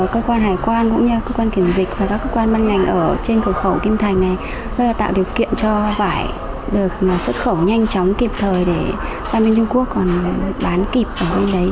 cơ quan hải quan cơ quan kiểm dịch và các cơ quan băn ngành ở trên cửa khẩu kim thành tạo điều kiện cho vải được xuất khẩu nhanh chóng kịp thời để sang bên trung quốc còn bán kịp ở bên đấy